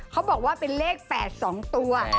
เขาบอกว่าเป็นเลข๘๒ตัว